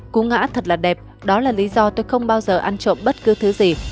cú ngã thật là đẹp đó là lý do tôi không bao giờ ăn trộm bất cứ thứ gì